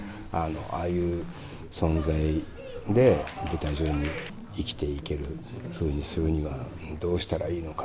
ああいう存在で舞台上に生きていけるふうにするにはどうしたらいいのか？